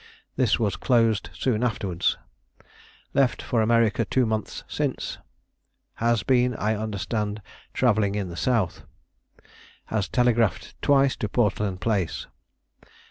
This was closed soon afterwards. Left for America two months since. Has been, I understand, travelling in the south. Has telegraphed twice to Portland Place.